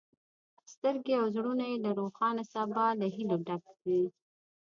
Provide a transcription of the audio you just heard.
سترګې او زړونه یې له روښانه سبا له هیلو ډک دي.